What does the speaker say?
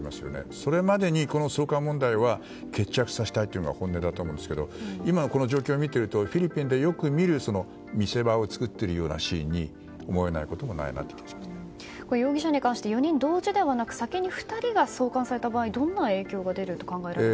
それまでに送還問題は決着させたいというのが本音だと思うんですけど今、この状況を見ているとフィリピンでよく見る見せ場を作っているようなシーンに容疑者に関して４人同時ではなく先に２人が送還された場合どんな影響が出ると考えられますか？